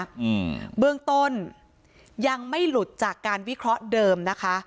อืมเบื้องต้นยังไม่หลุดจากการวิเคราะห์เดิมนะคะ